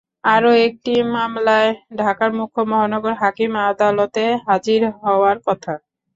আরও একটি মামলায় ঢাকার মুখ্য মহানগর হাকিম আদালতে হাজির হওয়ার কথা।